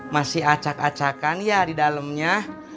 masih acak acakan ya di dalamnya